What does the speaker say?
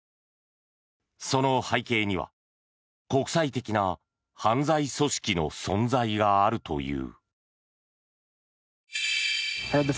その背景には国際的な犯罪組織の存在があるという。